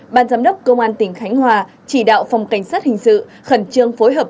ban giám đốc công an tỉnh khánh hòa chỉ đạo phòng cảnh sát hình sự khẩn trương phối hợp